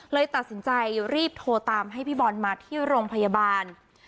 เลยตัดสินใจรีบโทรตามให้พี่บอลมาที่โรงพยาบาล